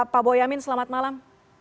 pak boyamin selamat malam